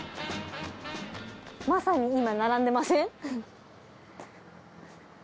まさに今並んでません？